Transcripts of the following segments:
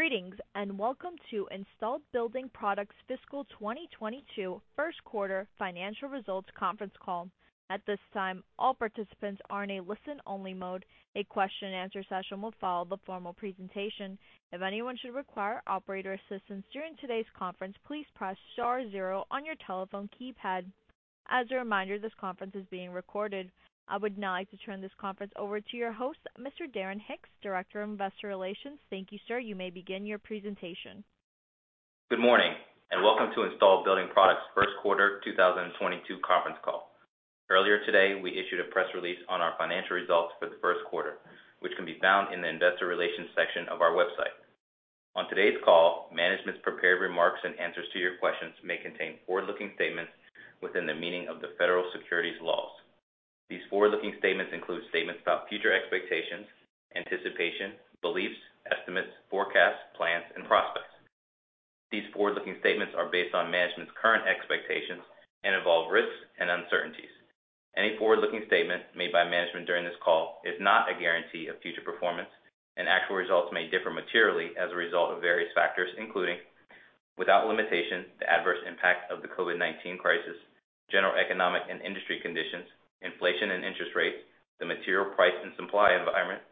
Greetings, and welcome to Installed Building Products Fiscal 2022 First Quarter Financial Results Conference Call. At this time, all participants are in a listen-only mode. A question-and-answer session will follow the formal presentation. If anyone should require operator assistance during today's conference, please press star zero on your telephone keypad. As a reminder, this conference is being recorded. I would now like to turn this conference over to your host, Mr. Darren Hicks, Director of Investor Relations. Thank you, sir. You may begin your presentation. Good morning, and welcome to Installed Building Products' first quarter 2022 conference call. Earlier today, we issued a press release on our financial results for the first quarter, which can be found in the investor relations section of our website. On today's call, management's prepared remarks and answers to your questions may contain forward-looking statements within the meaning of the federal securities laws. These forward-looking statements include statements about future expectations, anticipation, beliefs, estimates, forecasts, plans, and prospects. These forward-looking statements are based on management's current expectations and involve risks and uncertainties. Any forward-looking statement made by management during this call is not a guarantee of future performance, and actual results may differ materially as a result of various factors, including, without limitation, the adverse impact of the COVID-19 crisis, general economic and industry conditions, inflation and interest rate, the material price and supply environment,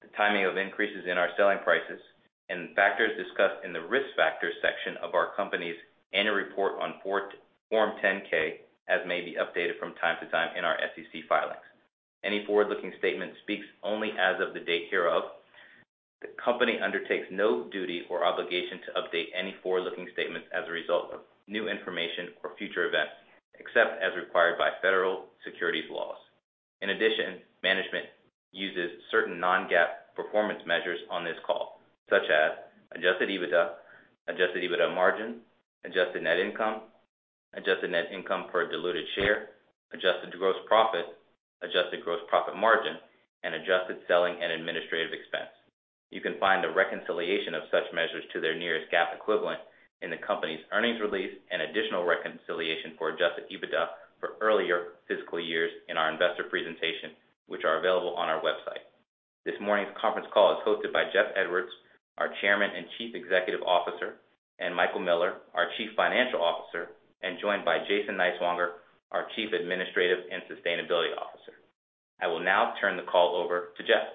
the timing of increases in our selling prices, and factors discussed in the Risk Factors section of our company's annual report on Form 10-K, as may be updated from time to time in our SEC filings. Any forward-looking statement speaks only as of the date hereof. The company undertakes no duty or obligation to update any forward-looking statements as a result of new information or future events, except as required by federal securities laws. In addition, management uses certain non-GAAP performance measures on this call, such as Adjusted EBITDA, Adjusted EBITDA margin, Adjusted Net Income, Adjusted Net Income per diluted share, Adjusted Gross Profit, Adjusted Gross Profit margin, and adjusted selling and administrative expense. You can find the reconciliation of such measures to their nearest GAAP equivalent in the company's earnings release and additional reconciliation for Adjusted EBITDA for earlier fiscal years in our investor presentation, which are available on our website. This morning's conference call is hosted by Jeff Edwards, our Chairman and Chief Executive Officer, and Michael Miller, our Chief Financial Officer, and joined by Jason Niswonger, our Chief Administrative and Sustainability Officer. I will now turn the call over to Jeff.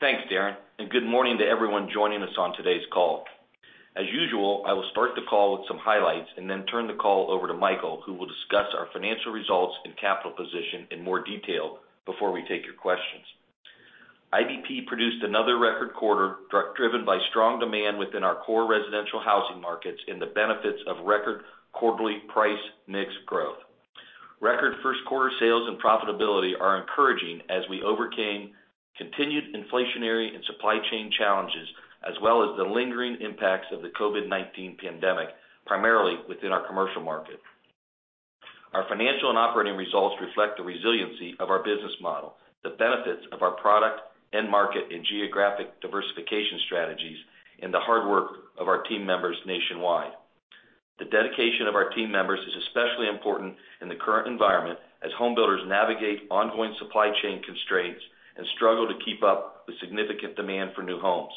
Thanks, Darren, and good morning to everyone joining us on today's call. As usual, I will start the call with some highlights and then turn the call over to Michael, who will discuss our financial results and capital position in more detail before we take your questions. IBP produced another record quarter driven by strong demand within our core residential housing markets and the benefits of record quarterly price mix growth. Record first quarter sales and profitability are encouraging as we overcame continued inflationary and supply chain challenges, as well as the lingering impacts of the COVID-19 pandemic, primarily within our commercial market. Our financial and operating results reflect the resiliency of our business model, the benefits of our product, market, and geographic diversification strategies, and the hard work of our team members nationwide. The dedication of our team members is especially important in the current environment as home builders navigate ongoing supply chain constraints and struggle to keep up with significant demand for new homes.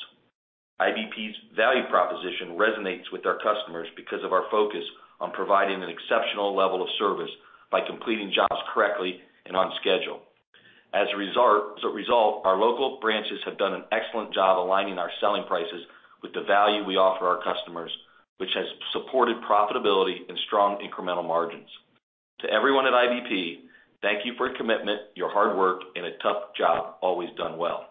IBP's value proposition resonates with our customers because of our focus on providing an exceptional level of service by completing jobs correctly and on schedule. As a result, our local branches have done an excellent job aligning our selling prices with the value we offer our customers, which has supported profitability and strong incremental margins. To everyone at IBP, thank you for your commitment, your hard work, and a tough job always done well.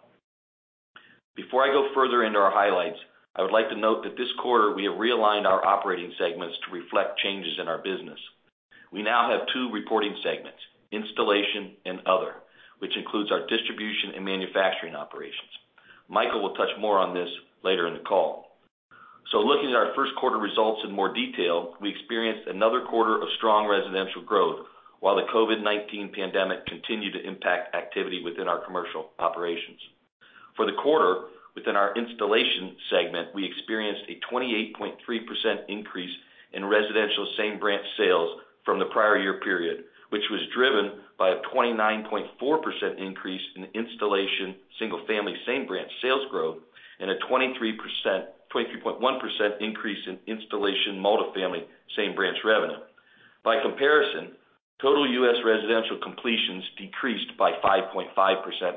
Before I go further into our highlights, I would like to note that this quarter we have realigned our operating segments to reflect changes in our business. We now have two reporting segments, installation and other, which includes our distribution and manufacturing operations. Michael will touch more on this later in the call. Looking at our first quarter results in more detail, we experienced another quarter of strong residential growth, while the COVID-19 pandemic continued to impact activity within our commercial operations. For the quarter, within our installation segment, we experienced a 28.3% increase in residential same branch sales from the prior year period, which was driven by a 29.4% increase in installation single-family same branch sales growth and a 23.1% increase in installation multifamily same branch revenue. By comparison, total U.S. residential completions decreased by 5.5%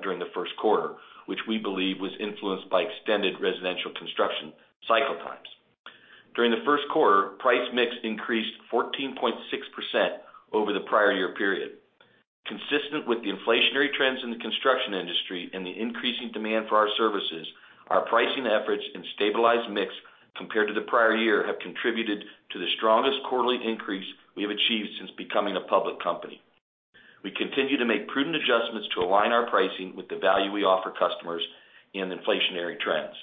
during the first quarter, which we believe was influenced by extended residential construction cycle times. During the first quarter, price/mix increased 14.6% over the prior year period. Consistent with the inflationary trends in the construction industry and the increasing demand for our services, our pricing efforts and stabilized mix compared to the prior year have contributed to the strongest quarterly increase we have achieved since becoming a public company. We continue to make prudent adjustments to align our pricing with the value we offer customers in inflationary trends.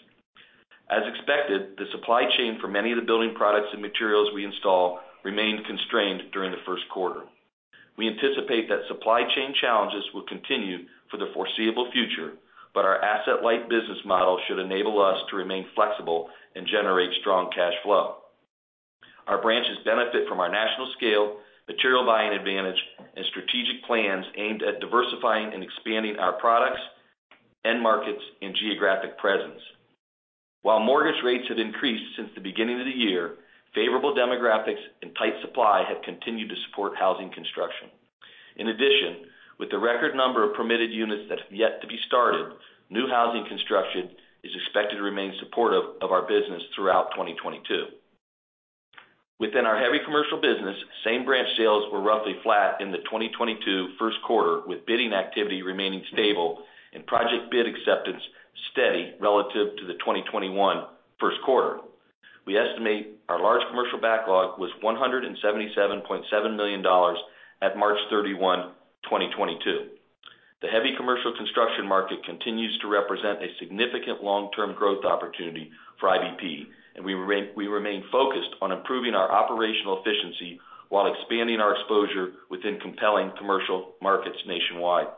As expected, the supply chain for many of the building products and materials we install remained constrained during the first quarter. We anticipate that supply chain challenges will continue for the foreseeable future, but our asset-light business model should enable us to remain flexible and generate strong cash flow. Our branches benefit from our national scale, material buying advantage, and strategic plans aimed at diversifying and expanding our products, end markets, and geographic presence. While mortgage rates have increased since the beginning of the year, favorable demographics and tight supply have continued to support housing construction. In addition, with the record number of permitted units that have yet to be started, new housing construction is expected to remain supportive of our business throughout 2022. Within our heavy commercial business, same branch sales were roughly flat in the 2022 first quarter, with bidding activity remaining stable and project bid acceptance steady relative to the 2021 first quarter. We estimate our large commercial backlog was $177.7 million at March 31, 2022. The heavy commercial construction market continues to represent a significant long-term growth opportunity for IBP, and we remain focused on improving our operational efficiency while expanding our exposure within compelling commercial markets nationwide.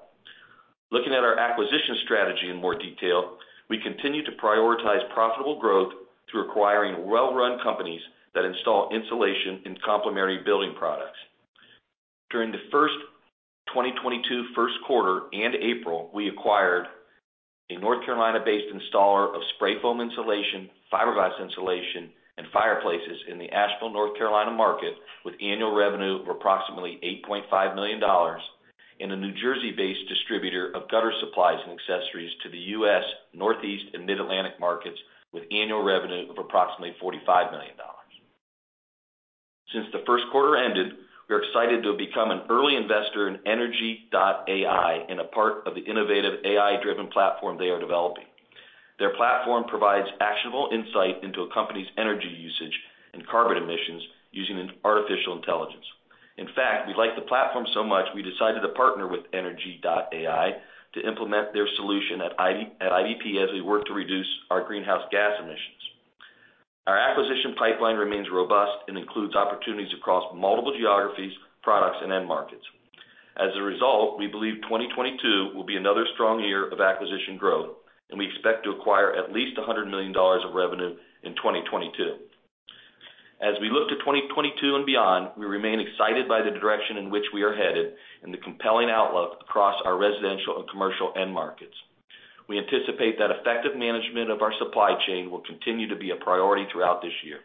Looking at our acquisition strategy in more detail, we continue to prioritize profitable growth through acquiring well-run companies that install insulation and complementary building products. During the first quarter of 2022 and April, we acquired a North Carolina-based installer of spray foam insulation, fiberglass insulation, and fireplaces in the Asheville, North Carolina market, with annual revenue of approximately $8.5 million, and a New Jersey-based distributor of gutter supplies and accessories to the U.S., Northeast, and Mid-Atlantic markets, with annual revenue of approximately $45 million. Since the first quarter ended, we are excited to have become an early investor in Energi.ai and a part of the innovative AI-driven platform they are developing. Their platform provides actionable insight into a company's energy usage and carbon emissions using artificial intelligence. In fact, we like the platform so much, we decided to partner with Energi.ai to implement their solution at IBP as we work to reduce our greenhouse gas emissions. Our acquisition pipeline remains robust and includes opportunities across multiple geographies, products, and end markets. As a result, we believe 2022 will be another strong year of acquisition growth, and we expect to acquire at least $100 million of revenue in 2022. As we look to 2022 and beyond, we remain excited by the direction in which we are headed and the compelling outlook across our residential and commercial end markets. We anticipate that effective management of our supply chain will continue to be a priority throughout this year.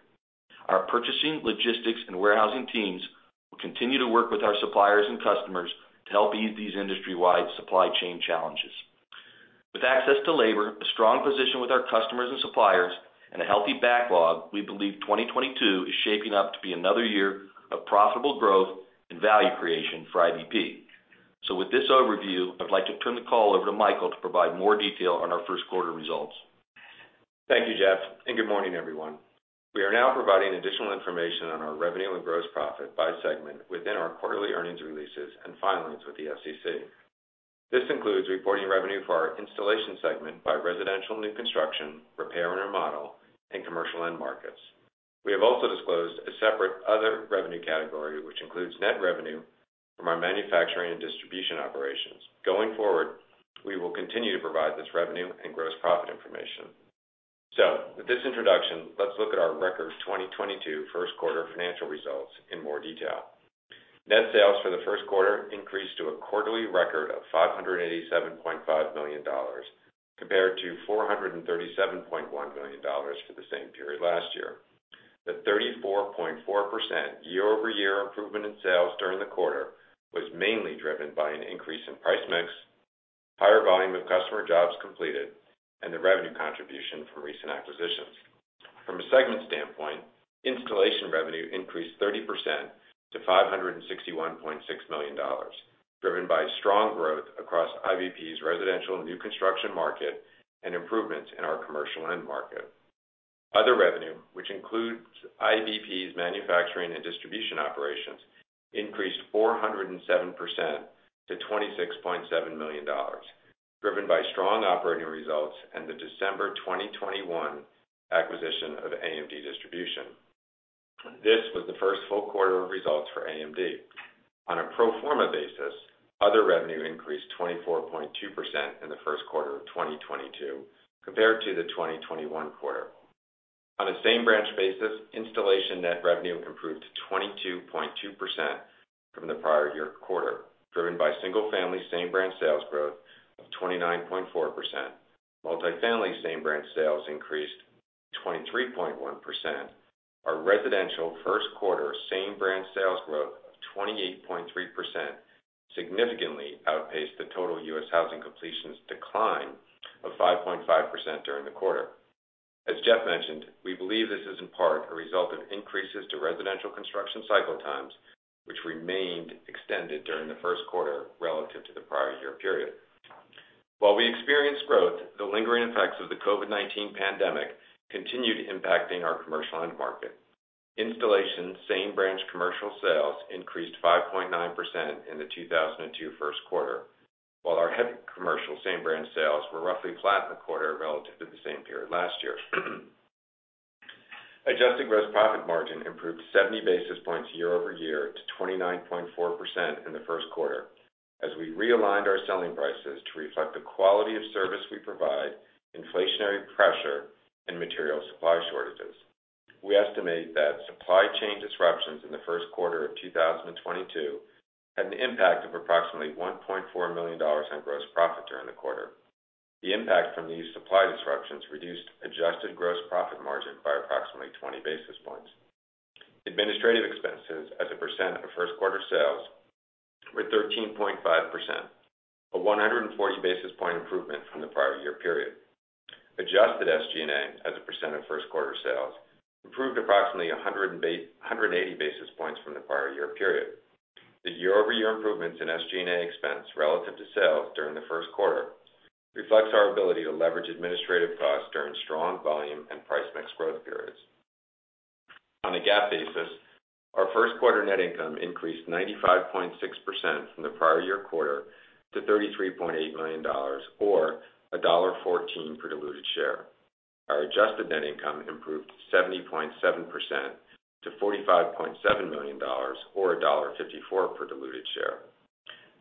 Our purchasing, logistics, and warehousing teams will continue to work with our suppliers and customers to help ease these industry-wide supply chain challenges. With access to labor, a strong position with our customers and suppliers, and a healthy backlog, we believe 2022 is shaping up to be another year of profitable growth and value creation for IBP. With this overview, I'd like to turn the call over to Michael to provide more detail on our first quarter results. Thank you, Jeff, and good morning, everyone. We are now providing additional information on our revenue and gross profit by segment within our quarterly earnings releases and filings with the SEC. This includes reporting revenue for our installation segment by residential new construction, repair and remodel, and commercial end markets. We have also disclosed a separate other revenue category, which includes net revenue from our manufacturing and distribution operations. Going forward, we will continue to provide this revenue and gross profit information. With this introduction, let's look at our record 2022 first quarter financial results in more detail. Net sales for the first quarter increased to a quarterly record of $587.5 million, compared to $437.1 million for the same period last year. The 34.4% year-over-year improvement in sales during the quarter was mainly driven by an increase in price/mix, higher volume of customer jobs completed, and the revenue contribution from recent acquisitions. From a segment standpoint, installation revenue increased 30% to $561.6 million, driven by strong growth across IBP's residential new construction market and improvements in our commercial end market. Other revenue, which includes IBP's manufacturing and distribution operations, increased 407% to $26.7 million, driven by strong operating results and the December 2021 acquisition of AMD Distribution. This was the first full quarter of results for AMD. On a pro forma basis, other revenue increased 24.2% in the first quarter of 2022 compared to the 2021 quarter. On a same-branch basis, installation net revenue improved to 22.2% from the prior year quarter, driven by single-family same branch sales growth of 29.4%. Multi-family same branch sales increased to 23.1%. Our residential first quarter same branch sales growth of 28.3% significantly outpaced the total U.S. housing completions decline of 5.5% during the quarter. As Jeff mentioned, we believe this is in part a result of increases to residential construction cycle times, which remained extended during the first quarter relative to the prior year period. While we experienced growth, the lingering effects of the COVID-19 pandemic continued impacting our commercial end market. Installed same branch commercial sales increased 5.9% in the 2022 first quarter, while our heavy commercial same branch sales were roughly flat in the quarter relative to the same period last year. Adjusted gross profit margin improved 70 basis points year-over-year to 29.4% in the first quarter. As we realigned our selling prices to reflect the quality of service we provide, inflationary pressure and material supply shortages. We estimate that supply chain disruptions in the first quarter of 2022 had an impact of approximately $1.4 million on gross profit during the quarter. The impact from these supply disruptions reduced adjusted gross profit margin by approximately 20 basis points. Administrative expenses as a percent of first quarter sales were 13.5%, a 140 basis point improvement from the prior year period. Adjusted SG&A as a percent of first quarter sales improved approximately 180 basis points from the prior year period. The year-over-year improvements in SG&A expense relative to sales during the first quarter reflects our ability to leverage administrative costs during strong volume and price mix growth periods. On a GAAP basis, our first quarter net income increased 95.6% from the prior year quarter to $33.8 million or $1.14 per diluted share. Our adjusted net income improved 70.7% to $45.7 million or $1.54 per diluted share.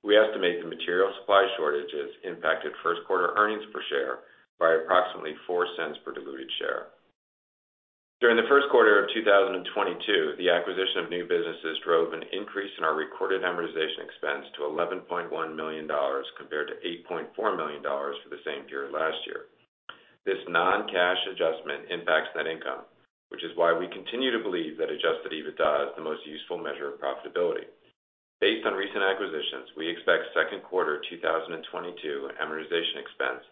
We estimate the material supply shortages impacted first quarter earnings per share by approximately $0.04 per diluted share. During the first quarter of 2022, the acquisition of new businesses drove an increase in our recorded amortization expense to $11.1 million compared to $8.4 million for the same period last year. This non-cash adjustment impacts net income, which is why we continue to believe that Adjusted EBITDA is the most useful measure of profitability. Based on recent acquisitions, we expect second quarter 2022 amortization expense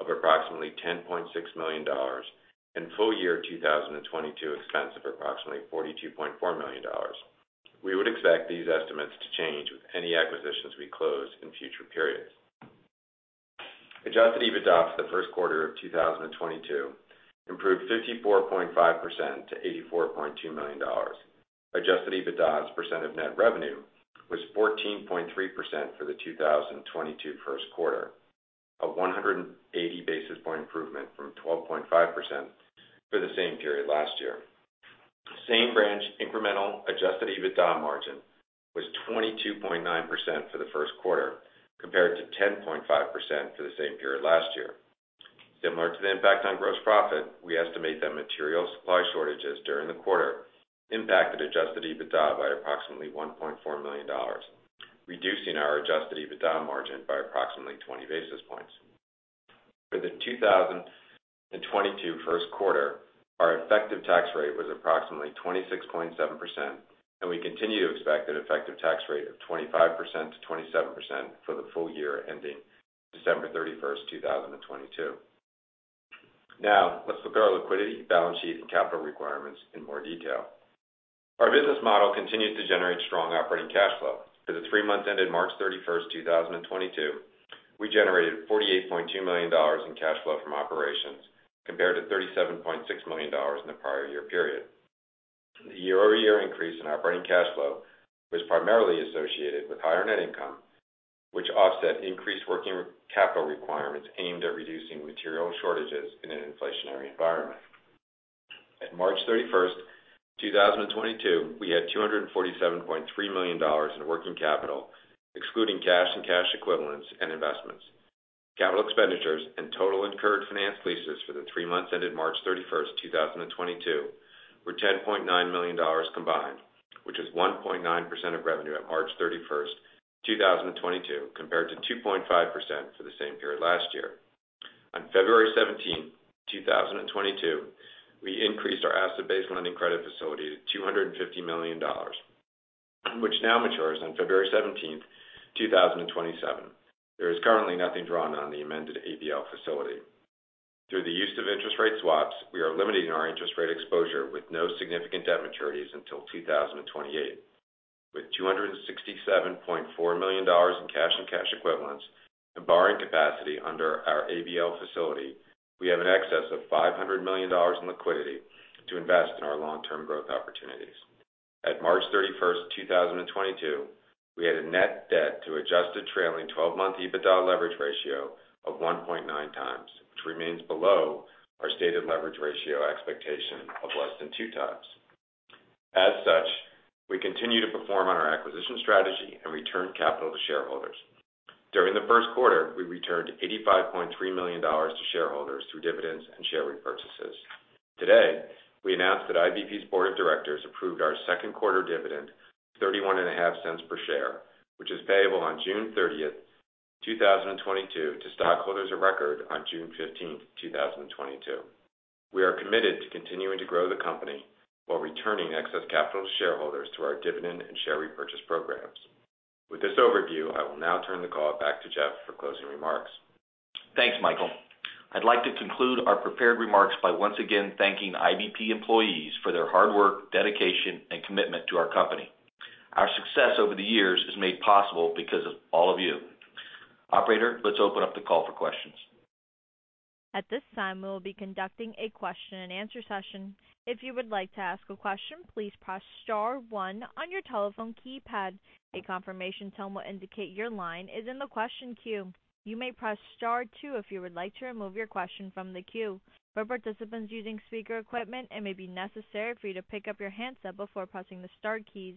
of approximately $10.6 million and full year 2022 expense of approximately $42.4 million. We would expect these estimates to change with any acquisitions we close in future periods. Adjusted EBITDA for the first quarter of 2022 improved 54.5% to $84.2 million. Adjusted EBITDA's percent of net revenue was 14.3% for the 2022 first quarter, a 180 basis point improvement from 12.5% for the same period last year. Same branch incremental Adjusted EBITDA margin was 22.9% for the first quarter, compared to 10.5% for the same period last year. Similar to the impact on gross profit, we estimate that material supply shortages during the quarter impacted Adjusted EBITDA by approximately $1.4 million, reducing our Adjusted EBITDA margin by approximately 20 basis points. For the 2022 first quarter, our effective tax rate was approximately 26.7%, and we continue to expect an effective tax rate of 25%-27% for the full year ending December 31, 2022. Now let's look at our liquidity, balance sheet, and capital requirements in more detail. Our business model continued to generate strong operating cash flow. For the three months ended March 31, 2022, we generated $48.2 million in cash flow from operations compared to $37.6 million in the prior year period. The year-over-year increase in operating cash flow was primarily associated with higher net income, which offset increased working capital requirements aimed at reducing material shortages in an inflationary environment. At March 31, 2022, we had $247.3 million in working capital, excluding cash and cash equivalents and investments. Capital expenditures and total incurred financed leases for the three months ended March 31, 2022 were $10.9 million combined, which is 1.9% of revenue at March 31, 2022, compared to 2.5% for the same period last year. On February 17, 2022, we increased our asset-based lending credit facility to $250 million, which now matures on February 17, 2027. There is currently nothing drawn on the amended ABL facility. Through the use of interest rate swaps, we are limiting our interest rate exposure with no significant debt maturities until 2028. With $267.4 million in cash and cash equivalents and borrowing capacity under our ABL facility, we have an excess of $500 million in liquidity to invest in our long-term growth opportunities. At March 31, 2022, we had a net debt to adjusted trailing twelve-month EBITDA leverage ratio of 1.9 times, which remains below our stated leverage ratio expectation of less than two times. As such, we continue to perform on our acquisition strategy and return capital to shareholders. During the first quarter, we returned $85.3 million to shareholders through dividends and share repurchases. Today, we announced that IBP's board of directors approved our second quarter dividend of $0.315 per share, which is payable on June 30, 2022 to stockholders of record on June 15, 2022. We are committed to continuing to grow the company while returning excess capital to shareholders through our dividend and share repurchase programs. With this overview, I will now turn the call back to Jeff for closing remarks. Thanks, Michael. I'd like to conclude our prepared remarks by once again thanking IBP employees for their hard work, dedication and commitment to our company. Our success over the years is made possible because of all of you. Operator, let's open up the call for questions. At this time, we will be conducting a question and answer session. If you would like to ask a question, please press star one on your telephone keypad. A confirmation tone will indicate your line is in the question queue. You may press star two if you would like to remove your question from the queue. For participants using speaker equipment, it may be necessary for you to pick up your handset before pressing the star keys.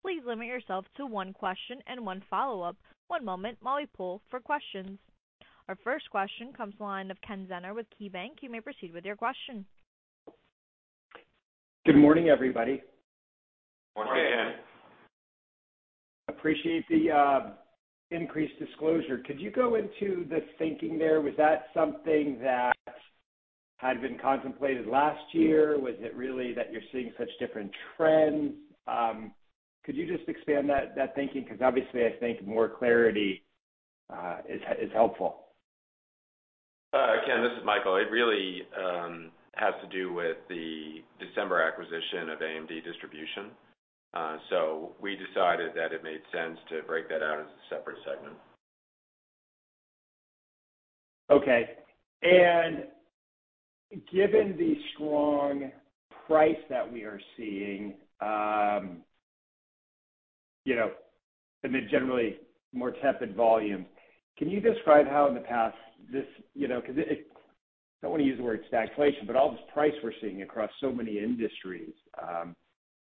Please limit yourself to one question and one follow-up. One moment while we poll for questions. Our first question comes to the line of Ken Zener with KeyBanc Capital Markets. You may proceed with your question. Good morning, everybody. Good morning, Ken. Appreciate the increased disclosure. Could you go into the thinking there? Was that something that had been contemplated last year? Was it really that you're seeing such different trends? Could you just expand that thinking? Because obviously, I think more clarity is helpful. Ken, this is Michael. It really has to do with the December acquisition of AMD Distribution. We decided that it made sense to break that out as a separate segment. Okay. Given the strong pricing that we are seeing, you know, and the generally more tepid volume, can you describe how in the past this, you know, because I don't want to use the word stagflation, but all this pricing we're seeing across so many industries,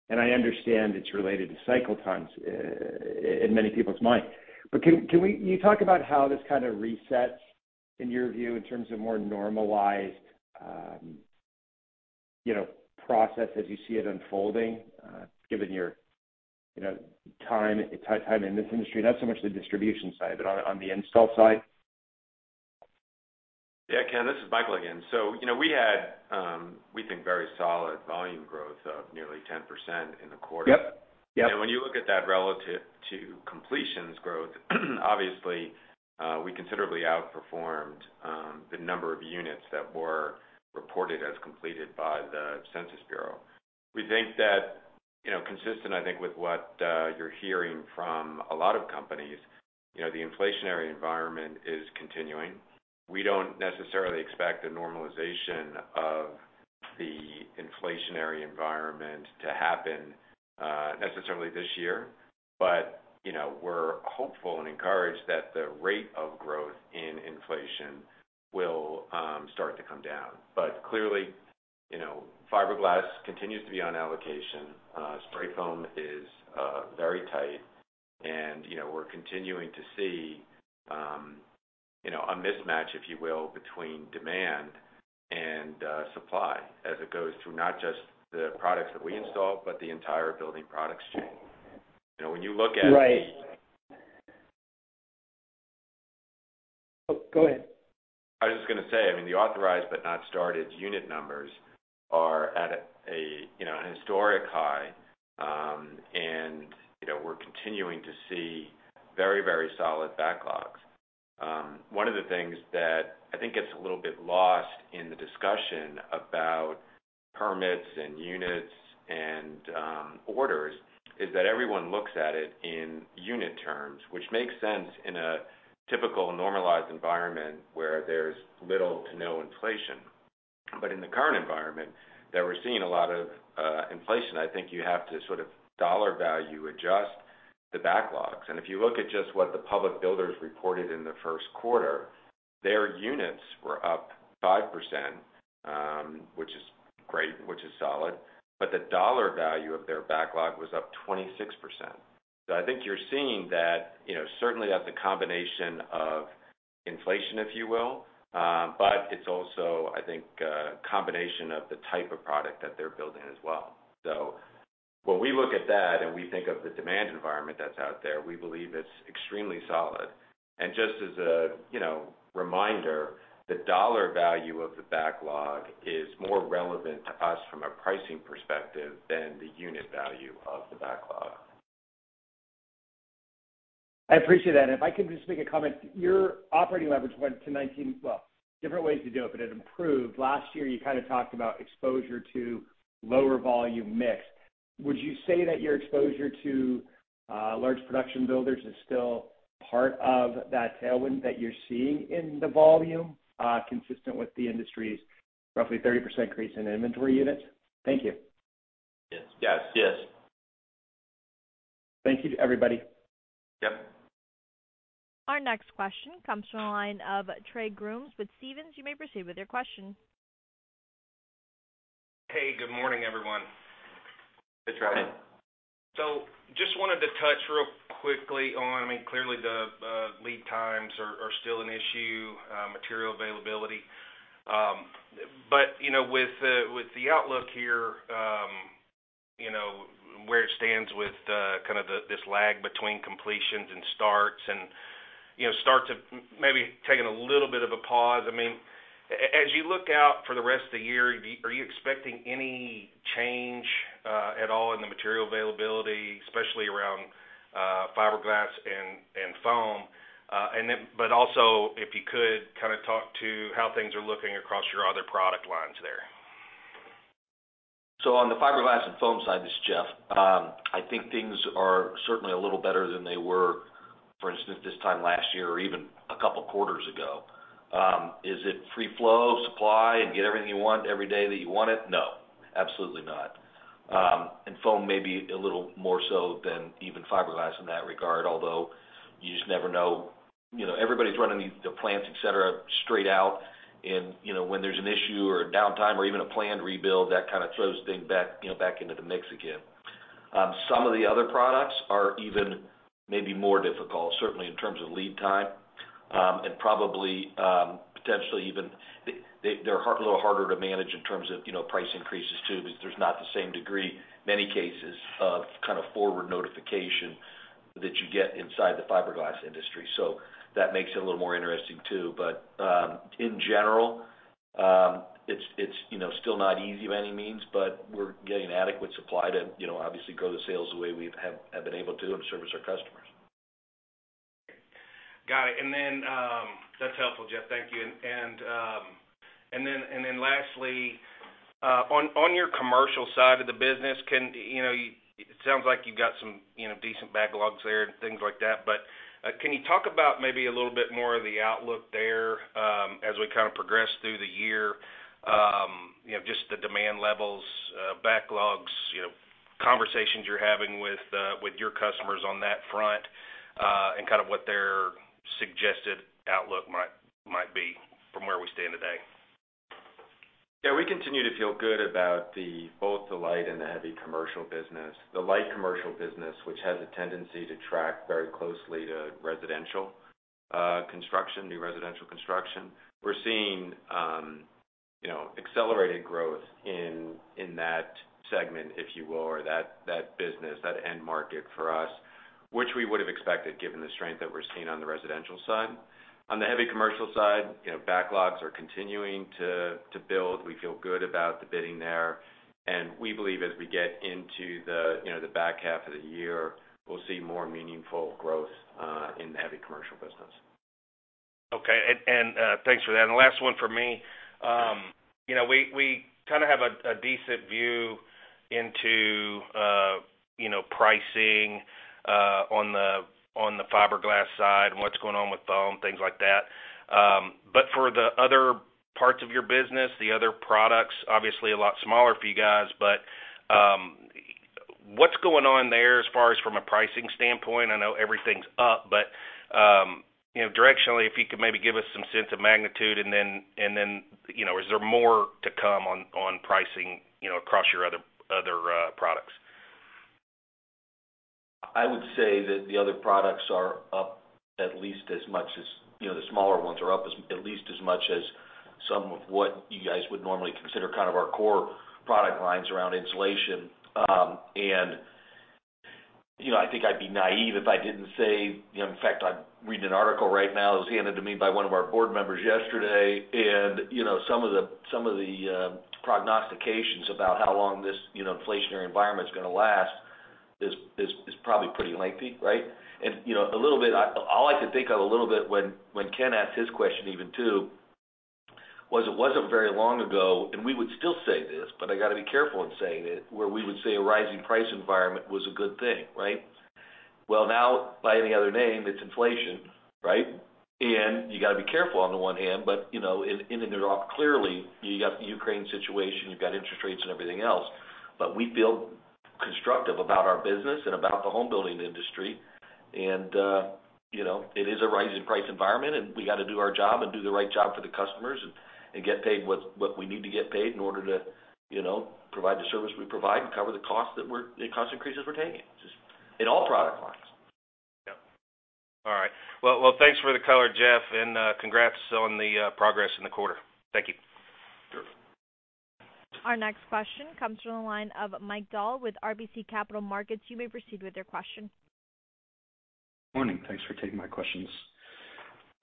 and I understand it's related to cycle times in many people's mind. But can you talk about how this kind of resets in your view in terms of more normalized, you know, process as you see it unfolding, given your, you know, time in this industry, not so much the distribution side, but on the install side. Yeah, Ken, this is Michael again. You know, we had, we think very solid volume growth of nearly 10% in the quarter. Yep, yep. When you look at that relative to completions growth, obviously, we considerably outperformed the number of units that were reported as completed by the Census Bureau. We think that, you know, consistent, I think, with what you're hearing from a lot of companies, you know, the inflationary environment is continuing. We don't necessarily expect the normalization of the inflationary environment to happen necessarily this year. But, you know, we're hopeful and encouraged that the rate of growth in inflation will start to come down. But clearly, you know, fiberglass continues to be on allocation. Spray foam is very tight and, you know, we're continuing to see a mismatch, if you will, between demand and supply as it goes through not just the products that we install, but the entire building products chain. You know, when you look at. Right. Oh, go ahead. I was just gonna say, I mean, the authorized but not started unit numbers are at a, you know, an historic high. We're continuing to see very, very solid backlogs. One of the things that I think gets a little bit lost in the discussion about permits and units and orders is that everyone looks at it in unit terms, which makes sense in a typical normalized environment where there's little to no inflation. In the current environment that we're seeing a lot of inflation, I think you have to sort of dollar value adjust the backlogs. If you look at just what the public builders reported in the first quarter, their units were up 5%, which is great, which is solid, but the dollar value of their backlog was up 26%. I think you're seeing that, you know, certainly that's a combination of inflation, if you will, but it's also, I think, a combination of the type of product that they're building as well. When we look at that and we think of the demand environment that's out there, we believe it's extremely solid. Just as a, you know, reminder, the dollar value of the backlog is more relevant to us from a pricing perspective than the unit value of the backlog. I appreciate that. If I could just make a comment, your operating leverage went to 19%. Well, different ways to do it, but it improved. Last year, you kind of talked about exposure to lower volume mix. Would you say that your exposure to large production builders is still part of that tailwind that you're seeing in the volume, consistent with the industry's roughly 30% increase in inventory units? Thank you. Yes. Thank you to everybody. Yep. Our next question comes from the line of Trey Grooms with Stephens. You may proceed with your question. Hey, good morning, everyone. Hey, Trey. Just wanted to touch real quickly on, I mean, clearly the lead times are still an issue, material availability. You know, with the outlook here, you know, where it stands with kind of this lag between completions and starts and, you know, starts have maybe taken a little bit of a pause. I mean, as you look out for the rest of the year, are you expecting any change at all in the material availability, especially around fiberglass and foam? Also if you could kind of talk to how things are looking across your other product lines there. On the fiberglass and foam side, this is Jeff. I think things are certainly a little better than they were, for instance, this time last year or even a couple of quarters ago. Is it free flow supply and get everything you want every day that you want it? No, absolutely not. Foam may be a little more so than even fiberglass in that regard, although you just never know. You know, everybody's running the plants, et cetera, straight out. You know, when there's an issue or a downtime or even a planned rebuild, that kind of throws things back, you know, back into the mix again. Some of the other products are even maybe more difficult, certainly in terms of lead time, and probably, potentially even they're a little harder to manage in terms of, you know, price increases too, because there's not the same degree, in many cases, of kind of forward notification that you get inside the fiberglass industry. That makes it a little more interesting, too. In general, it's, you know, still not easy by any means, but we're getting adequate supply to, you know, obviously grow the sales the way we have been able to and service our customers. Got it. That's helpful, Jeff. Thank you. Lastly, on your commercial side of the business, it sounds like you've got some decent backlogs there and things like that. Can you talk about maybe a little bit more of the outlook there, as we kind of progress through the year? You know, just the demand levels, backlogs, conversations you're having with your customers on that front, and kind of what their suggested outlook might be from where we stand today. Yeah, we continue to feel good about both the light and the heavy commercial business. The light commercial business, which has a tendency to track very closely to residential construction, new residential construction. We're seeing accelerated growth in that segment, if you will, or that business, that end market for us, which we would have expected given the strength that we're seeing on the residential side. On the heavy commercial side, you know, backlogs are continuing to build. We feel good about the bidding there. We believe as we get into the back half of the year, we'll see more meaningful growth in the heavy commercial business. Okay. Thanks for that. Last one for me. You know, we kind of have a decent view into, you know, pricing, on the fiberglass side and what's going on with foam, things like that. For the other parts of your business, the other products, obviously a lot smaller for you guys. What's going on there as far as from a pricing standpoint? I know everything's up, but, you know, directionally, if you could maybe give us some sense of magnitude, and then, you know, is there more to come on pricing, you know, across your other products? I would say that the other products are up at least as much as, you know, the smaller ones are up at least as much as some of what you guys would normally consider kind of our core product lines around insulation. You know, I think I'd be naive if I didn't say, you know, in fact, I'm reading an article right now. It was handed to me by one of our board members yesterday. You know, some of the prognostications about how long this, you know, inflationary environment is gonna last is probably pretty lengthy, right? You know, a little bit, all I could think of when Ken asked his question even, too, was it wasn't very long ago, and we would still say this, but I got to be careful in saying it, where we would say a rising price environment was a good thing, right? Well, now, by any other name, it's inflation, right? You got to be careful on the one hand, but, you know, in and of itself, clearly, you got the Ukraine situation, you've got interest rates and everything else. We feel constructive about our business and about the home building industry. You know, it is a rising price environment, and we got to do our job and do the right job for the customers and get paid what we need to get paid in order to, you know, provide the service we provide and cover the cost increases we're taking just in all product lines. Yeah. All right. Well, thanks for the color, Jeff. Congrats on the progress in the quarter. Thank you. Sure. Our next question comes from the line of Mike Dahl with RBC Capital Markets. You may proceed with your question. Morning. Thanks for taking my questions.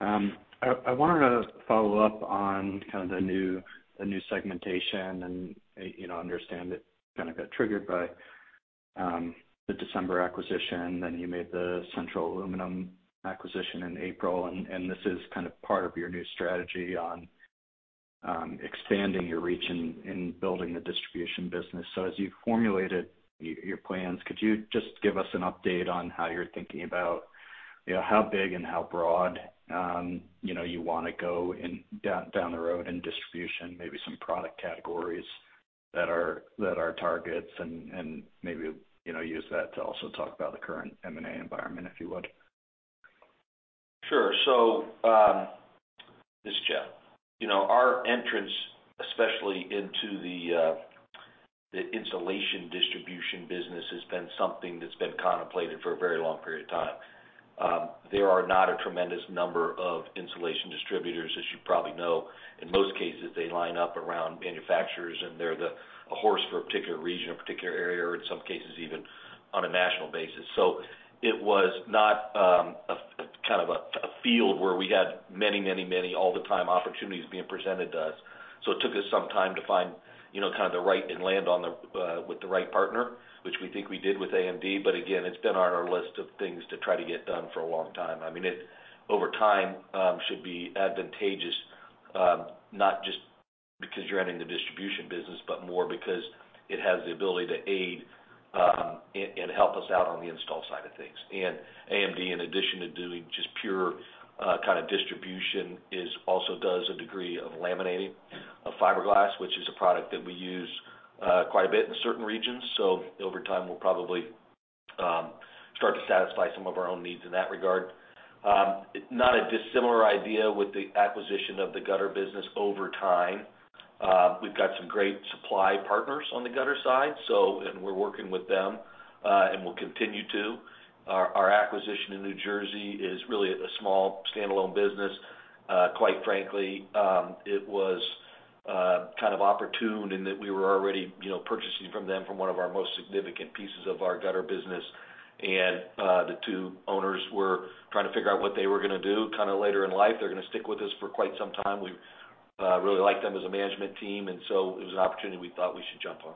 I wanted to follow up on kind of the new segmentation and, you know, understand it kind of got triggered by the December acquisition. Then you made the Central Aluminum Supply Corporation acquisition in April, and this is kind of part of your new strategy on expanding your reach in building the distribution business. As you formulated your plans, could you just give us an update on how you're thinking about, you know, how big and how broad, you know, you wanna go down the road in distribution, maybe some product categories that are targets and, maybe, you know, use that to also talk about the current M&A environment, if you would? Sure. This is Jeff. You know, our entrance, especially into the insulation distribution business, has been something that's been contemplated for a very long period of time. There are not a tremendous number of insulation distributors, as you probably know. In most cases, they line up around manufacturers, and they're a horse for a particular region or particular area or in some cases, even on a national basis. It was not a kind of field where we had many all the time opportunities being presented to us. It took us some time to find, you know, kind of the right and land on the with the right partner, which we think we did with AMD. Again, it's been on our list of things to try to get done for a long time. I mean, over time, should be advantageous, not just because you're adding the distribution business, but more because it has the ability to aid and help us out on the install side of things. AMD, in addition to doing just pure kind of distribution, also does a degree of laminating of fiberglass, which is a product that we use quite a bit in certain regions. Over time, we'll probably start to satisfy some of our own needs in that regard. Not a dissimilar idea with the acquisition of the gutter business over time. We've got some great supply partners on the gutter side, and we're working with them, and we'll continue to. Our acquisition in New Jersey is really a small standalone business. Quite frankly, it was kind of opportune in that we were already, you know, purchasing from them from one of our most significant pieces of our gutter business. The two owners were trying to figure out what they were gonna do kinda later in life. They're gonna stick with us for quite some time. We really like them as a management team, and so it was an opportunity we thought we should jump on.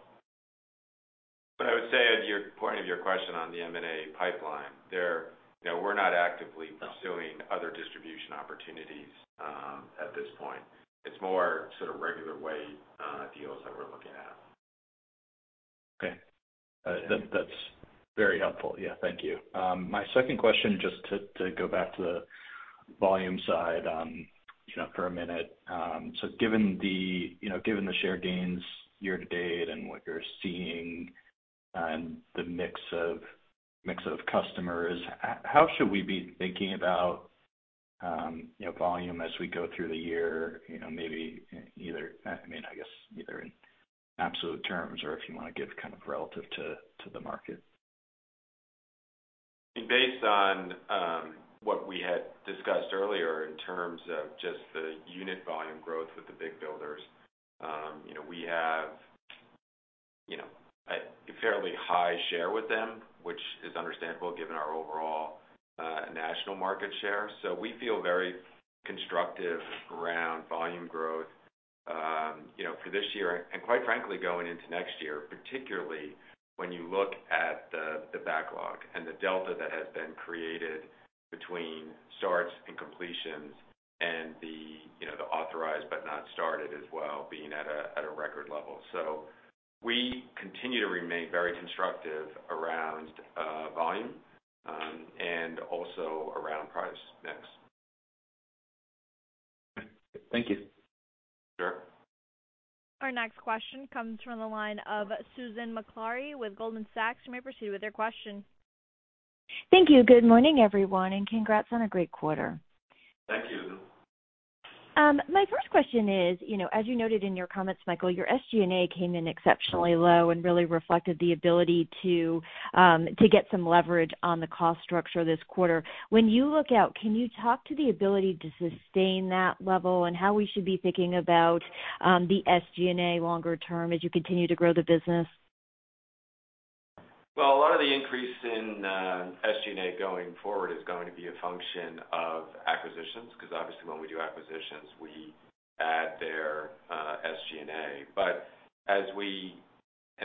I would say at your point of your question on the M&A pipeline, you know, we're not actively pursuing other distribution opportunities at this point. It's more sort of regular way deals that we're looking at. Okay. That's very helpful. Yeah, thank you. My second question, just to go back to the volume side, you know, for a minute. So, you know, given the share gains year to date and what you're seeing and the mix of customers, how should we be thinking about volume as we go through the year, you know, maybe either, I mean, I guess, in absolute terms or if you wanna give kind of relative to the market? Based on what we had discussed earlier in terms of just the unit volume growth with the big builders, you know, we have, you know, a fairly high share with them, which is understandable given our overall national market share. We feel very constructive around volume growth, you know, for this year, and quite frankly, going into next year, particularly when you look at the backlog and the delta that has been created between starts and completions and the, you know, the authorized but not started as well, being at a record level. We continue to remain very constructive around volume, and also around price/mix. Okay. Thank you. Sure. Our next question comes from the line of Susan Maklari with Goldman Sachs. You may proceed with your question. Thank you. Good morning, everyone, and congrats on a great quarter. Thank you. My first question is, you know, as you noted in your comments, Michael, your SG&A came in exceptionally low and really reflected the ability to get some leverage on the cost structure this quarter. When you look out, can you talk to the ability to sustain that level and how we should be thinking about the SG&A longer term as you continue to grow the business? Well, a lot of the increase in SG&A going forward is going to be a function of acquisitions, because obviously when we do acquisitions, we add their SG&A.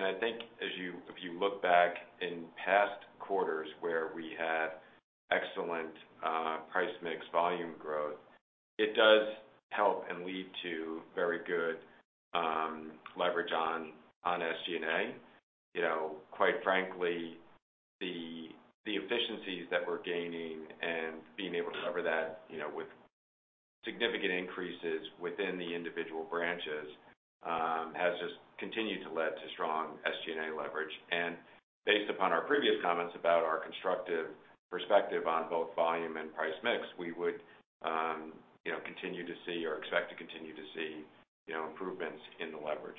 I think if you look back in past quarters where we had excellent price/mix volume growth, it does help and lead to very good leverage on SG&A. You know, quite frankly, the efficiencies that we're gaining and being able to cover that, you know, with significant increases within the individual branches, has just continued to lead to strong SG&A leverage. Based upon our previous comments about our constructive perspective on both volume and price/mix, we would continue to see or expect to continue to see, you know, improvements in the leverage.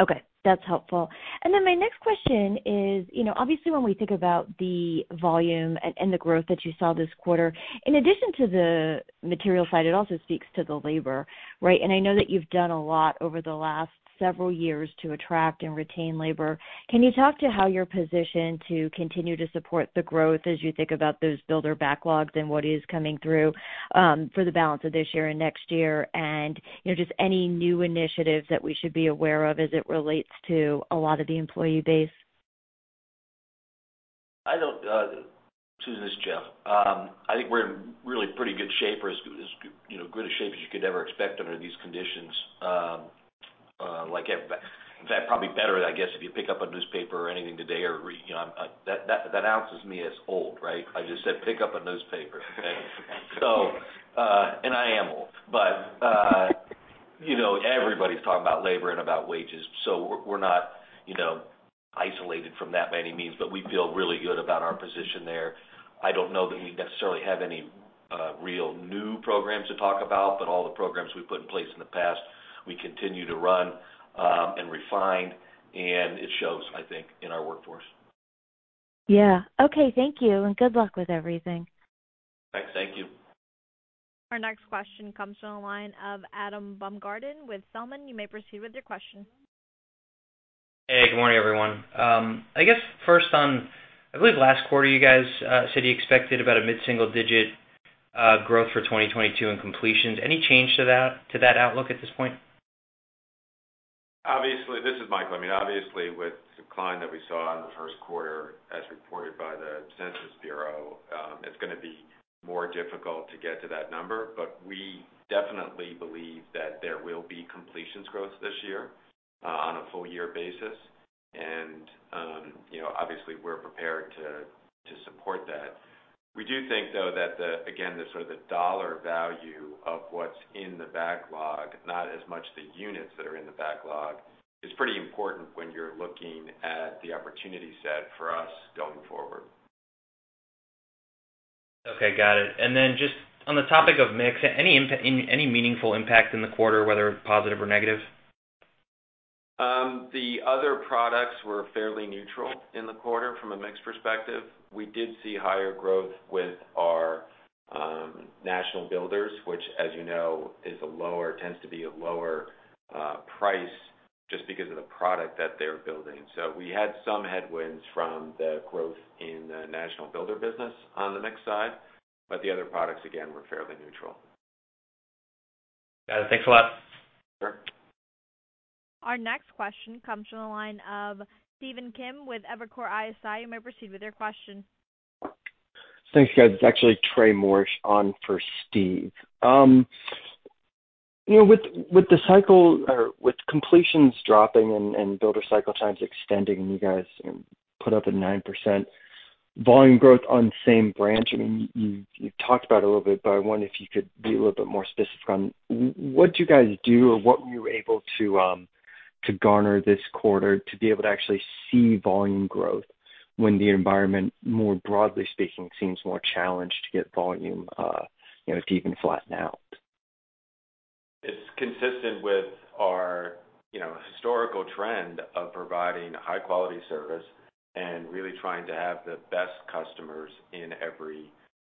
Okay, that's helpful. Then my next question is, you know, obviously when we think about the volume and the growth that you saw this quarter, in addition to the material side, it also speaks to the labor, right? I know that you've done a lot over the last several years to attract and retain labor. Can you talk to how you're positioned to continue to support the growth as you think about those builder backlogs and what is coming through for the balance of this year and next year? You know, just any new initiatives that we should be aware of as it relates to a lot of the employee base. I don't, Susan, this is Jeff. I think we're in really pretty good shape or as good, you know, good a shape as you could ever expect under these conditions. In fact, probably better, I guess, if you pick up a newspaper or anything today or read, you know, that announces me as old, right? I just said, "Pick up a newspaper." I am old. You know, everybody's talking about labor and about wages, so we're not, you know, isolated from that by any means. We feel really good about our position there. I don't know that we necessarily have any real new programs to talk about. All the programs we've put in place in the past, we continue to run, and refine, and it shows, I think, in our workforce. Yeah. Okay, thank you, and good luck with everything. Thank you. Our next question comes from the line of Adam Baumgarten with Zelman & Associates. You may proceed with your question. Hey, good morning, everyone. I guess first on, I believe last quarter you guys said you expected about a mid-single-digit growth for 2022 in completions. Any change to that outlook at this point? Obviously, this is Michael. I mean, obviously with the decline that we saw in the first quarter as reported by the Census Bureau, it's gonna be more difficult to get to that number. We definitely believe that there will be completions growth this year, on a full year basis. You know, obviously we're prepared to support that. We do think though that again, the sort of dollar value of what's in the backlog, not as much the units that are in the backlog, is pretty important when you're looking at the opportunity set for us going forward. Okay, got it. Just on the topic of mix, any meaningful impact in the quarter, whether positive or negative? The other products were fairly neutral in the quarter from a mix perspective. We did see higher growth with our national builders, which as you know, tends to be a lower price just because of the product that they're building. We had some headwinds from the growth in the national builder business on the mix side, but the other products, again, were fairly neutral. Got it. Thanks a lot. Sure. Our next question comes from the line of Stephen Kim with Evercore ISI. You may proceed with your question. Thanks, guys. It's actually James Morrish on for Steve. You know, with the cycle or with completions dropping and builder cycle times extending, and you guys, you know, put up a 9% volume growth on same branch. I mean, you've talked about it a little bit, but I wonder if you could be a little bit more specific on what do you guys do or what were you able to to garner this quarter to be able to actually see volume growth when the environment, more broadly speaking, seems more challenged to get volume, you know, to even flatten out? It's consistent with our, you know, historical trend of providing high quality service and really trying to have the best customers in every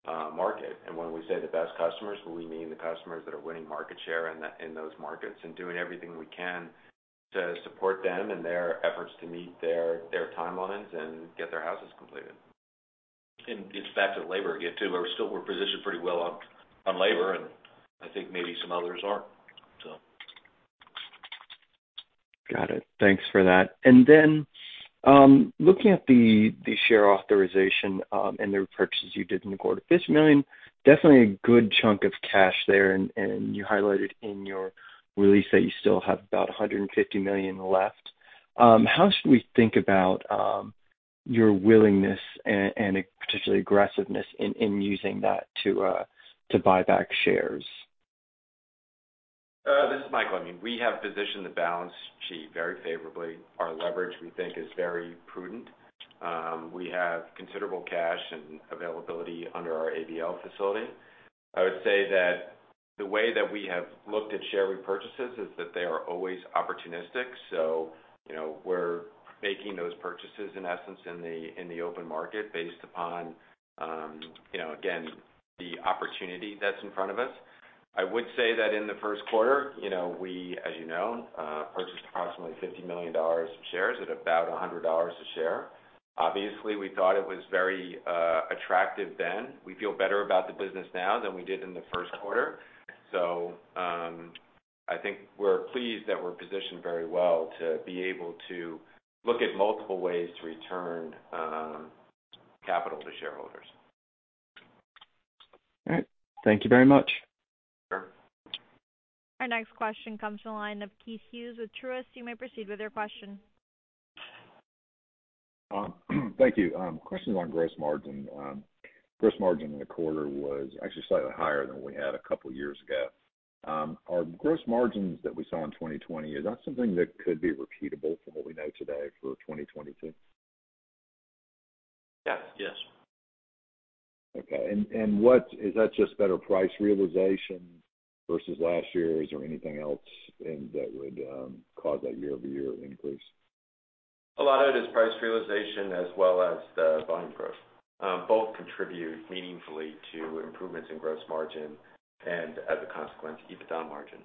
market. When we say the best customers, we mean the customers that are winning market share in those markets, and doing everything we can to support them in their efforts to meet their timelines and get their houses completed. It's back to labor again, too, but we're positioned pretty well on labor, and I think maybe some others aren't, so. Got it. Thanks for that. Looking at the share authorization and the purchases you did in the quarter, $50 million, definitely a good chunk of cash there, and you highlighted in your release that you still have about $150 million left. How should we think about your willingness and particularly aggressiveness in using that to buy back shares? This is Michael. I mean, we have positioned the balance sheet very favorably. Our leverage, we think, is very prudent. We have considerable cash and availability under our ABL facility. I would say that the way that we have looked at share repurchases is that they are always opportunistic. You know, we're making those purchases in essence in the open market based upon, you know, again, the opportunity that's in front of us. I would say that in the first quarter, you know, we, as you know, purchased approximately $50 million of shares at about $100 a share. Obviously, we thought it was very attractive then. We feel better about the business now than we did in the first quarter. I think we're pleased that we're positioned very well to be able to look at multiple ways to return capital to shareholders. All right. Thank you very much. Sure. Our next question comes from the line of Keith Hughes with Truist. You may proceed with your question. Thank you. Question on gross margin. Gross margin in the quarter was actually slightly higher than we had a couple of years ago. Are gross margins that we saw in 2020, is that something that could be repeatable from what we know today for 2022? Yeah. Yes. Okay. Is that just better price realization versus last year? Is there anything else in there that would cause that year-over-year increase? A lot of it is price realization as well as the volume growth. Both contribute meaningfully to improvements in gross margin and as a consequence, EBITDA margin.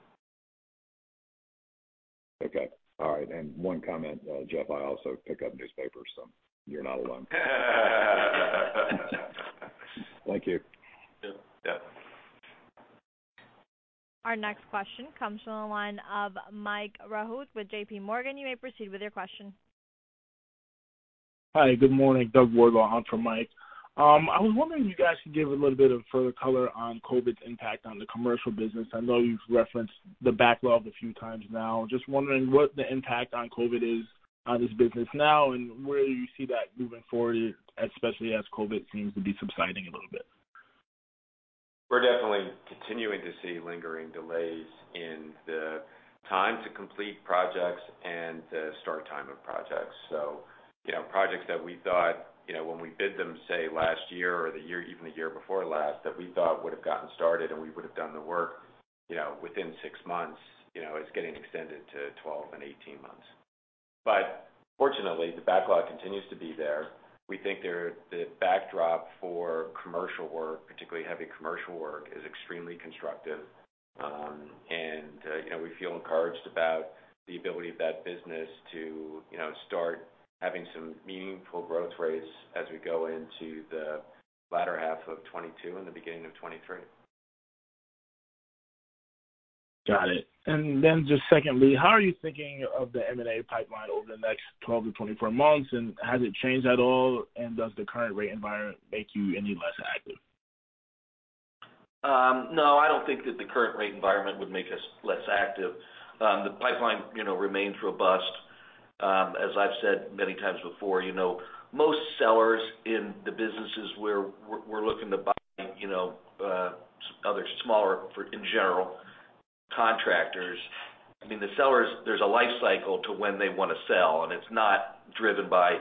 Okay. All right. One comment, Jeff, I also pick up newspapers, so you're not alone. Thank you. Yeah. Our next question comes from the line of Mike Rehaut with J.P. Morgan. You may proceed with your question. Hi, good morning. Doug Wardlaw on for Mike. I was wondering if you guys could give a little bit of further color on COVID's impact on the commercial business. I know you've referenced the backlog a few times now. Just wondering what the impact of COVID is on this business now and where you see that moving forward, especially as COVID seems to be subsiding a little bit. We're definitely continuing to see lingering delays in the time to complete projects and the start time of projects. You know, projects that we thought, you know, when we bid them, say, last year or the year, even the year before last, that we thought would have gotten started and we would have done the work, you know, within six months, you know, is getting extended to 12 and 18 months. Fortunately, the backlog continues to be there. We think the backdrop for commercial work, particularly heavy commercial work, is extremely constructive. You know, we feel encouraged about the ability of that business to, you know, start having some meaningful growth rates as we go into the latter half of 2022 and the beginning of 2023. Got it. Just secondly, how are you thinking of the M&A pipeline over the next 12-24 months, and has it changed at all, and does the current rate environment make you any less active? No, I don't think that the current rate environment would make us less active. The pipeline, you know, remains robust. As I've said many times before, you know, most sellers in the businesses we're looking to buy, you know, other smaller, in general, contractors. I mean, the sellers, there's a life cycle to when they wanna sell, and it's not driven by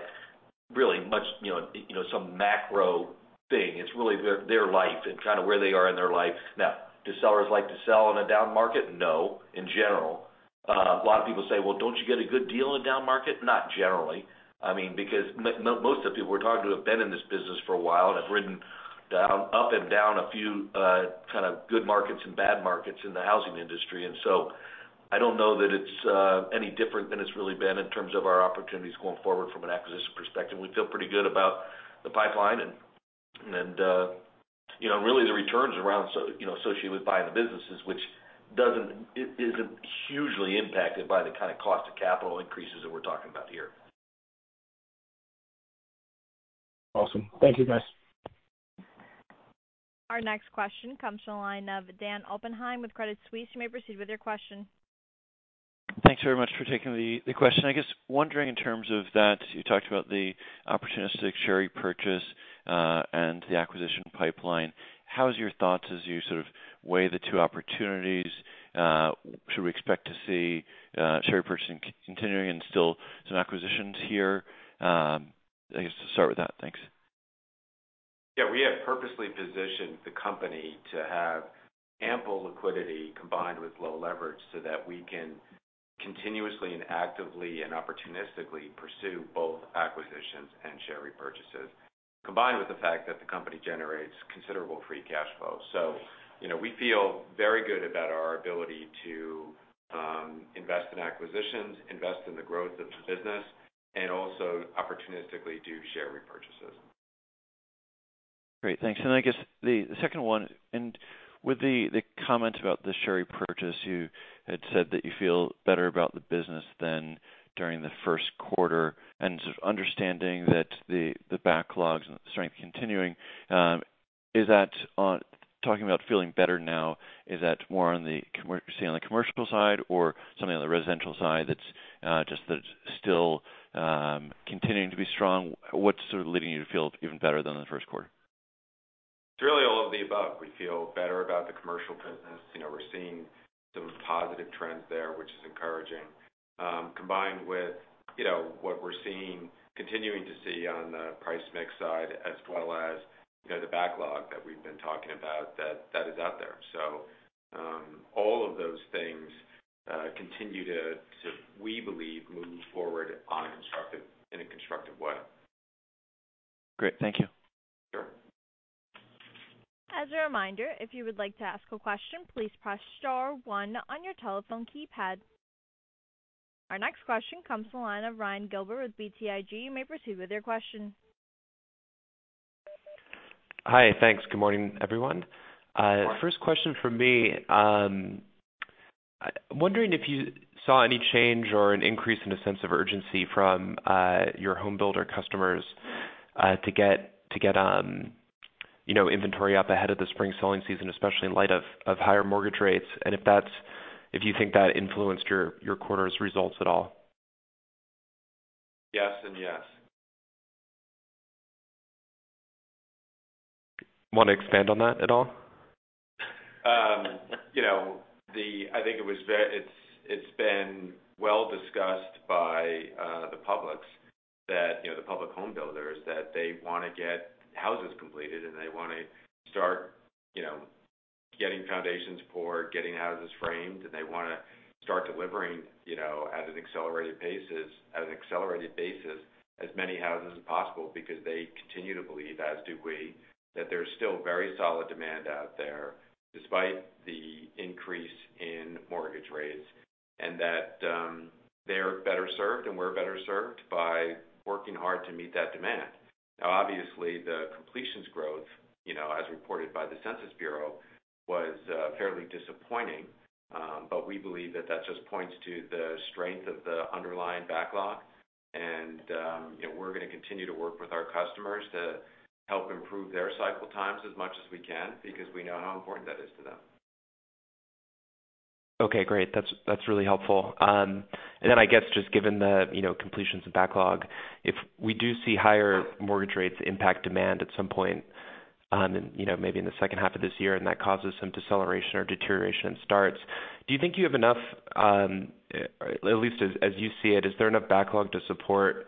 really much, you know, some macro thing. It's really their life and kinda where they are in their life. Now, do sellers like to sell in a down market? No, in general. A lot of people say, "Well, don't you get a good deal in a down market?" Not generally. I mean, because most of the people we're talking to have been in this business for a while and have ridden down, up and down a few kind of good markets and bad markets in the housing industry. I don't know that it's any different than it's really been in terms of our opportunities going forward from an acquisition perspective. We feel pretty good about the pipeline and you know and really the returns around so, you know, associated with buying the businesses, which isn't hugely impacted by the kinda cost of capital increases that we're talking about here. Awesome. Thank you, guys. Our next question comes from the line of Dan Oppenheim with Credit Suisse. You may proceed with your question. Thanks very much for taking the question. I guess wondering in terms of that, you talked about the opportunistic share repurchase and the acquisition pipeline. How is your thoughts as you sort of weigh the two opportunities, should we expect to see share repurchase continuing and still some acquisitions here? I guess to start with that. Thanks. Yeah, we have purposely positioned the company to have ample liquidity combined with low leverage so that we can continuously and actively and opportunistically pursue both acquisitions and share repurchases, combined with the fact that the company generates considerable free cash flow. You know, we feel very good about our ability to invest in acquisitions, invest in the growth of the business, and also opportunistically do share repurchases. Great. Thanks. I guess the second one, and with the comment about the share repurchase, you had said that you feel better about the business than during the first quarter, and sort of understanding that the backlogs and the strength continuing, is that talking about feeling better now, is that more on the commercial side or something on the residential side that's still continuing to be strong? What's sort of leading you to feel even better than the first quarter? It's really all of the above. We feel better about the commercial business. You know, we're seeing some positive trends there, which is encouraging, combined with, you know, what we're seeing, continuing to see on the price/mix side as well as, you know, the backlog that we've been talking about that is out there. All of those things continue to, we believe, move forward in a constructive way. Great. Thank you. Sure. As a reminder, if you would like to ask a question, please press star one on your telephone keypad. Our next question comes from the line of Ryan Gilbert with BTIG. You may proceed with your question. Hi. Thanks. Good morning, everyone. Good morning. First question from me. Wondering if you saw any change or an increase in a sense of urgency from your home builder customers to get, you know, inventory up ahead of the spring selling season, especially in light of higher mortgage rates, and if you think that influenced your quarter's results at all. Yes and yes. Wanna expand on that at all? You know, I think it's been very well discussed by the public homebuilders that they wanna get houses completed, and they wanna start, you know, getting foundations poured, getting houses framed, and they wanna start delivering, you know, at an accelerated pace, at an accelerated basis, as many houses as possible because they continue to believe, as do we, that there's still very solid demand out there despite the increase in mortgage rates. That they're better served and we're better served by working hard to meet that demand. Now obviously, the completions growth, you know, as reported by the Census Bureau, was fairly disappointing, but we believe that that just points to the strength of the underlying backlog and, you know, we're gonna continue to work with our customers to help improve their cycle times as much as we can because we know how important that is to them. Okay, great. That's really helpful. Then I guess just given the completions and backlog, if we do see higher mortgage rates impact demand at some point, and you know, maybe in the second half of this year and that causes some deceleration or deterioration in starts, do you think you have enough, at least as you see it, is there enough backlog to support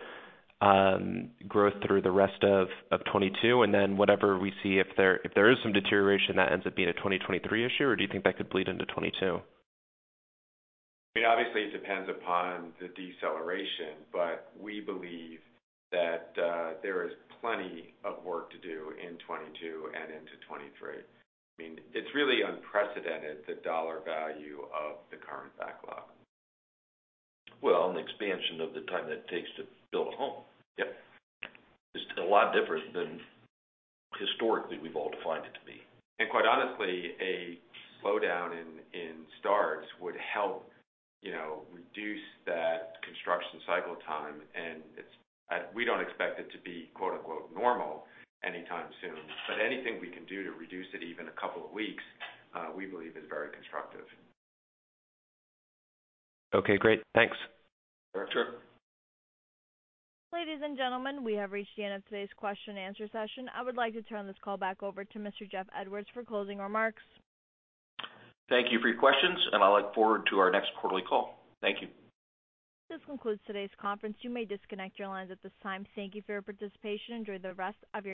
growth through the rest of 2022? Then whatever we see if there is some deterioration that ends up being a 2023 issue, or do you think that could bleed into 2022? I mean, obviously it depends upon the deceleration, but we believe that, there is plenty of work to do in 2022 and into 2023. I mean, it's really unprecedented, the dollar value of the current backlog. Well, the expansion of the time that it takes to build a home. Yep. is a lot different than historically we've all defined it to be. Quite honestly, a slowdown in starts would help, you know, reduce that construction cycle time, and it's we don't expect it to be, quote-unquote, "normal" anytime soon. Anything we can do to reduce it even a couple of weeks, we believe is very constructive. Okay, great. Thanks. Sure. Ladies and gentlemen, we have reached the end of today's question and answer session. I would like to turn this call back over to Mr. Jeff Edwards for closing remarks. Thank you for your questions, and I look forward to our next quarterly call. Thank you. This concludes today's conference. You may disconnect your lines at this time. Thank you for your participation. Enjoy the rest of your day.